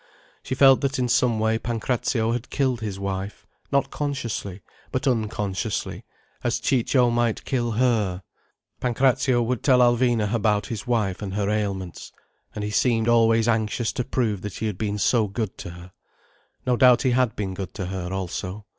She felt that in some way Pancrazio had killed his wife—not consciously, but unconsciously, as Ciccio might kill her. Pancrazio would tell Alvina about his wife and her ailments. And he seemed always anxious to prove that he had been so good to her. No doubt he had been good to her, also.